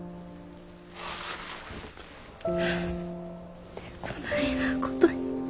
何でこないなことに。